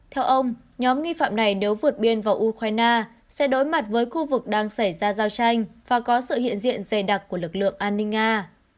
theo ông nhóm nghi phạm này nếu vượt biên vào ukraine sẽ đối mặt với khu vực đang xảy ra giao tranh và có sự hiện diện dày đặc của lực lượng an ninh nga